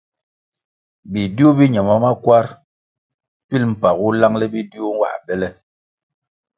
Bidiu bi ñama makwar pilʼ mpagu langʼle bidiu nwā bele.